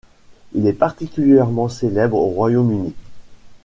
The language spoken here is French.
Il est particulièrement célèbre au Royaume-Uni.